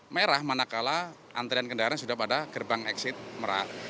merah manakala antrian kendaraan sudah pada gerbang exit merak